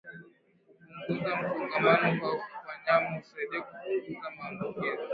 Kupunguza msongamano kwa wanyama husaidia kupunguza maambukizi